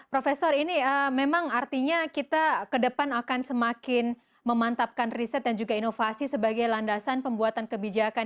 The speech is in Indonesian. profesor ini memang artinya kita ke depan akan semakin memantapkan riset dan juga inovasi sebagai landasan pembuatan kebijakan